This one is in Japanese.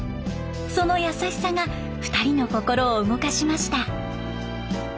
その優しさが２人の心を動かしました。